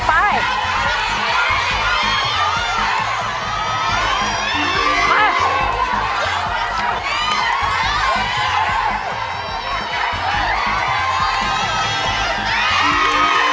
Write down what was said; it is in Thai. ไม่ออกไป